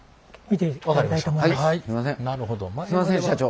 すんません社長。